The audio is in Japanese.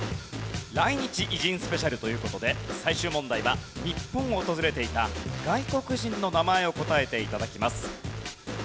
来日偉人スペシャルという事で最終問題は日本を訪れていた外国人の名前を答えて頂きます。